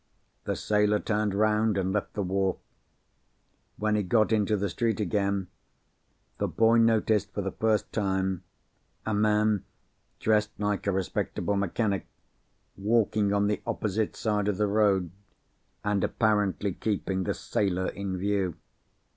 The sailor turned round, and left the wharf. When he got into the street again, the boy noticed for the first time, a man dressed like a respectable mechanic, walking on the opposite side of the road, and apparently keeping the sailor in view.